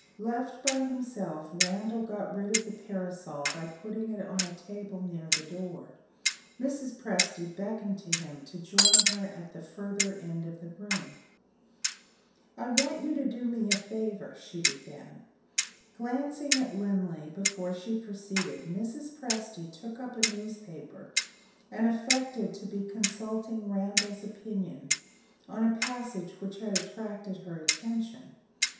Left by himself, Randal got rid of the parasol by putting it on a table near the door. Mrs. Presty beckoned to him to join her at the further end of the room. "I want you to do me a favor," she began. Glancing at Linley before she proceeded, Mrs. Presty took up a newspaper, and affected to be consulting Randal's opinion on a passage which had attracted her attention.